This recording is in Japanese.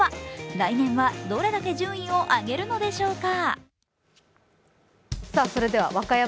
来年はどれだけ順位を上げるのでしょうか。